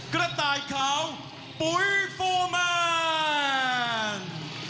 กระต่ายเขาปุ๊ยโฟร์แมน